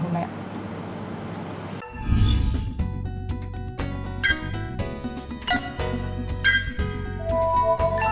hẹn gặp lại các em